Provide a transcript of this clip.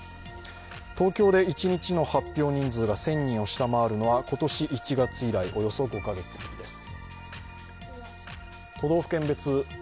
東京で一日の発表人数が１０００人を下回るのは今年１月以来、およそ５カ月ぶりです